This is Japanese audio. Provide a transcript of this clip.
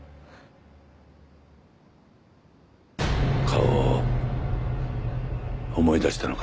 顔を思い出したのか？